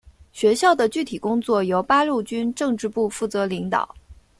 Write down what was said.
学校的具体工作由八路军政治部负责领导。